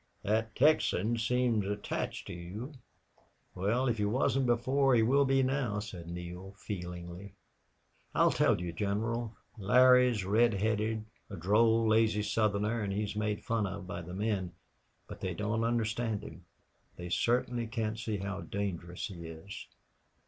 "That Texan seems attached to you." "Well, if he wasn't before he will be now," said Neale, feelingly. "I'll tell you, General, Larry's red headed, a droll, lazy Southerner, and he's made fun of by the men. But they don't understand him. They certainly can't see how dangerous he is.